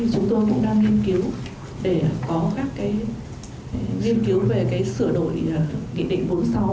chúng tôi cũng đang nghiên cứu để có các nghiên cứu về sửa đổi kỷ định bốn mươi sáu